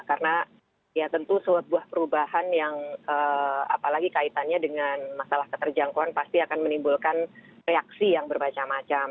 karena ya tentu sebuah perubahan yang apalagi kaitannya dengan masalah keterjangkauan pasti akan menimbulkan reaksi yang berbaca macam